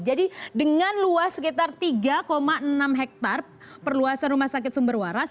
jadi dengan luas sekitar tiga enam hektare perluasan rumah sakit sumber waras